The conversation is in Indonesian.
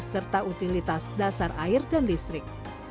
serta utilitas dasar air dan listrik